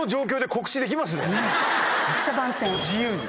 めっちゃ番宣。